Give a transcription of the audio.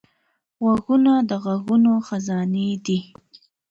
غوږونه د غږونو خزانې دي